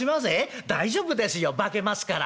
「大丈夫ですよ化けますから」。